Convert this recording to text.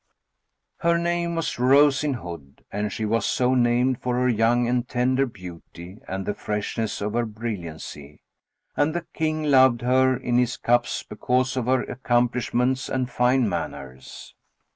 "[FN#31] Her name was Rose in Hood and she was so named for her young and tender beauty and the freshness of her brilliancy; and the King loved her in his cups because of her accomplishments and fine manners.